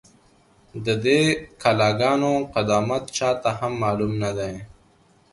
، د دې کلا گانو قدامت چا ته هم معلوم نه دی،